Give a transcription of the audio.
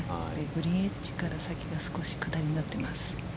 グリーンエッジから先が少し下りになっています。